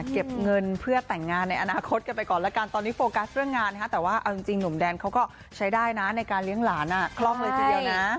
เก็บเงินเพื่อแต่งงานในอนาคตกันไปก่อนแล้วกันตอนนี้โฟกัสเรื่องงานแต่ว่าเอาจริงหนุ่มแดนเขาก็ใช้ได้นะในการเลี้ยงหลานคล่องเลยทีเดียวนะ